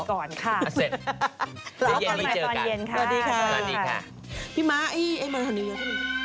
เดี๋ยวก่อนค่ะเสร็จเดี๋ยวเย็นนี้เจอกันสวัสดีค่ะ